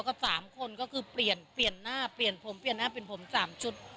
กับ๓คนก็คือเปลี่ยนเปลี่ยนหน้าเปลี่ยนผมเปลี่ยนหน้าเป็นผม๓ชุด